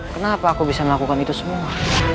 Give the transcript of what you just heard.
kenapa aku bisa melakukan itu semua